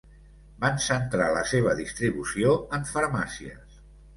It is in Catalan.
Van centrar la seva distribució en farmàcies.